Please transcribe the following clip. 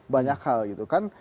banyak hal gitu kan